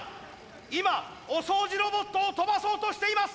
今お掃除ロボットを跳ばそうとしています！